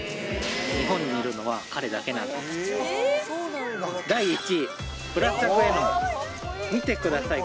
日本にいるのは彼だけなんです見てください